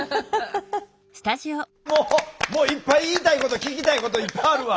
もういっぱい言いたいこと聞きたいこといっぱいあるわ。